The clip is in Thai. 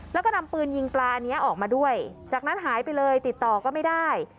แล้วก็นำปืนยิงปลาอันนี้ออกมาด้วยจากนั้นหายไปเลยติดต่อก็ไม่ได้